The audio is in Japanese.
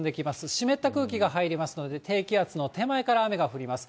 湿った空気が入りますので、低気圧の手前から雨が降ります。